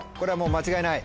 間違いない？